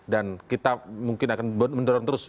dan kita mungkin akan mendorong terus